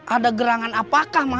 ada gerangan apakah mak